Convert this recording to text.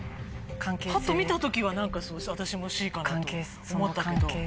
パッと見た時は何か私もＣかなと思ったけど。